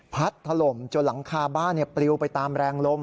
ถล่มจนหลังคาบ้านปลิวไปตามแรงลม